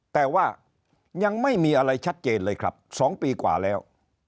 แต่ว่ายังไม่มีอะไรชัดเจนเลยครับ๒ปีกว่าแล้ว